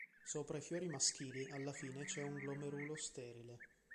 Sopra i fiori maschili, alla fine c'è un glomerulo sterile.